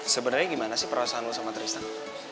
sebenarnya gimana sih perasaan lo sama tristan